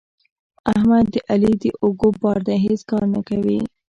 احمد د علي د اوږو بار دی؛ هیڅ کار نه کوي.